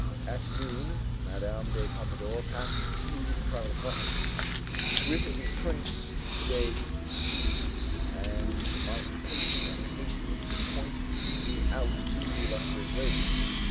At noon Madame de Pompadour passed through the private apartments with the Prince de Soubise, and my patron hastened to point me out to the illustrious lady.